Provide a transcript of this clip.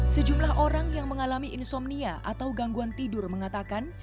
sejumlah orang yang mengalami insomnia atau gangguan tidur mengatakan